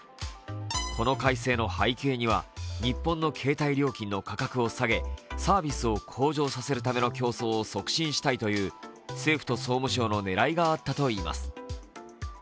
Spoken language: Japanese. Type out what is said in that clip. この改正の背景には、日本の携帯料金の価格を下げサービスを向上させるための競争を加速させたいという政府と総務省の狙いがあったといいます。